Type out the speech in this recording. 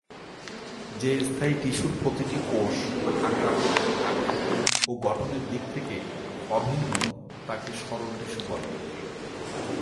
যে স্থায়ী টিস্যুর প্রতিটি কোষ আকার, আকৃতি ও গঠনের দিক থেকে অভিন্ন তাকে সরল টিস্যু বলে।